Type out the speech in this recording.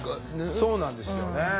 そうなんですよね。